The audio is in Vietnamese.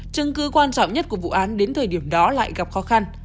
trưng cư quan trọng nhất của vụ án đến thời điểm đó lại gặp khó khăn